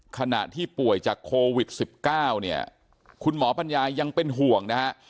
ขณะที่ป่วยจากโควิด๑๙เนี่ยคุณหมอปัญญายังเป็นห่วงนะฮะ